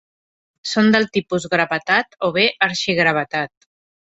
Són del tipus gravetat o bé arxigravetat.